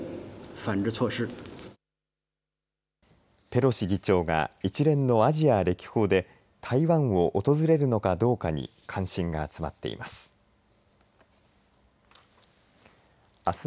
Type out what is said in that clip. ペロシ議長が一連のアジア歴訪で台湾を訪れるのかどうかに関心が集まっています。